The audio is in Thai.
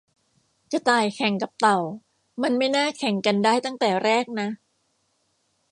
กระต่ายแข่งกับเต่า มันไม่น่าแข่งกันได้ตั้งแต่แรกนะ